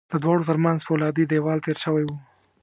د دواړو ترمنځ پولادي دېوال تېر شوی و